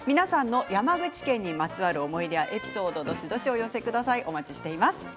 山口県にまつわる思い出やエピソードをどんどんお寄せください。